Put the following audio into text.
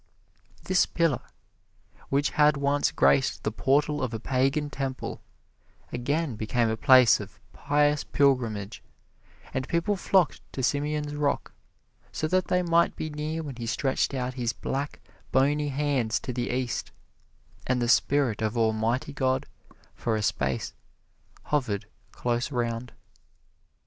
This pillar, which had once graced the portal of a pagan temple, again became a place of pious pilgrimage, and people flocked to Simeon's rock, so that they might be near when he stretched out his black, bony hands to the East, and the spirit of Almighty God, for a space, hovered close around.